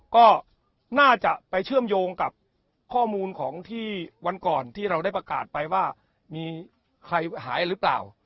ก็น่าจะไปเชื่อมโยงกับข้อมูลของที่วันก่อนที่เราได้ประกาศไปว่ามีใครหายหรือเปล่า